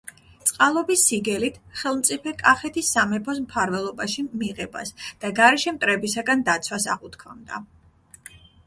წყალობის სიგელით ხელმწიფე კახეთის სამეფოს მფარველობაში მიღებას და გარეშე მტრებისაგან დაცვას აღუთქვამდა.